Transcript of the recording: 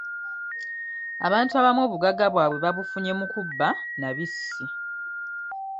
Abantu abamu obugagga bwabwe babufunye mu kubba na bissi.